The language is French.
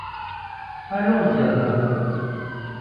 Allons », dit Harry Markel.